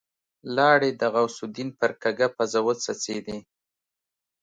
لاړې د غوث الدين پر کږه پزه وڅڅېدې.